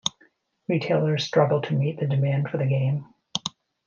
Retailers struggled to meet the demand for the game.